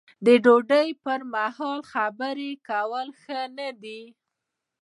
د ډوډۍ پر مهال خبرې کول ښه نه دي.